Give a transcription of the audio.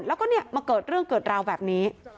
แล้วก็มาเกิดเรื่องเกิดราวแบบนี้